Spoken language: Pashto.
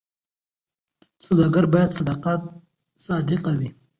سوداګر باید صادق وي.